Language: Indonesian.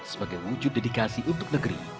sebagai wujud dedikasi untuk negeri